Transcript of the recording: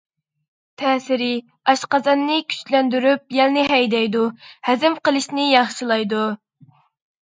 تەسىرى: ئاشقازاننى كۈچلەندۈرۈپ، يەلنى ھەيدەيدۇ، ھەزىم قىلىشنى ياخشىلايدۇ.